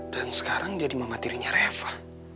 dan sekarang jadi mama tirinya reva